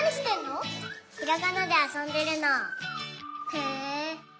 へえ。